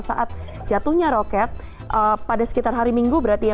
saat jatuhnya roket pada sekitar hari minggu berarti ya